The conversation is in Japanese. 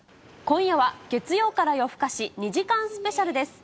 今夜は、月曜から夜ふかし２時間スペシャルです。